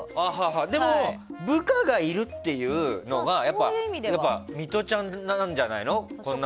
でも部下がいるっていうのがミトちゃんなんじゃないの？